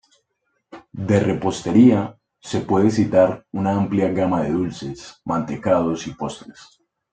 De repostería, se puede citar una amplia gama de dulces, mantecados y postres.